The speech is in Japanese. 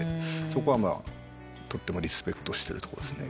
そこはとってもリスペクトしてるところですね。